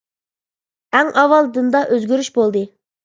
ئەڭ ئاۋۋال دىندا ئۆزگىرىش بولدى.